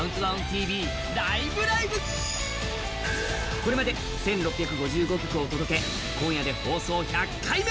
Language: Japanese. これまで１６５５曲をお届け、今夜で放送１００回目。